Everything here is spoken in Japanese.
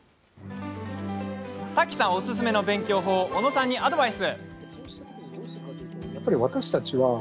瀧さんおすすめの勉強法を小野さんにアドバイス。